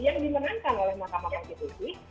yang dimenangkan oleh mahkamah konstitusi